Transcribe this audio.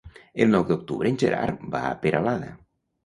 El nou d'octubre en Gerard va a Peralada.